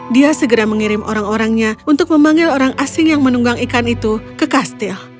dia segera mengirim orang orangnya untuk memanggil orang asing yang menunggang ikan itu ke kastil